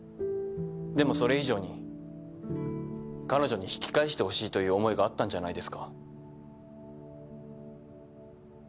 でもそれ以上に彼女に引き返してほしいという思いがあったんじゃないですか？